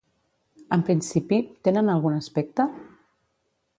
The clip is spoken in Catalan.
En principi, tenen algun aspecte?